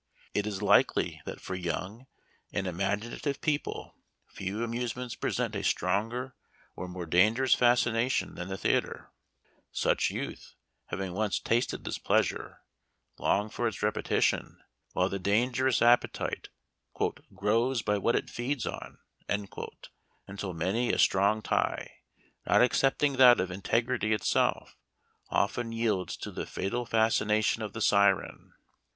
It is likely that for young and imagina tive people few amusements present a stronger or more dangerous fascination than the theater. Such youth, having once tasted this pleasure, long for its repetition, while the dangerous appe tite " grows by what it feeds on " until many strong tie, not excepting that of integrity itself, often yields to the fatal fascination of the siren.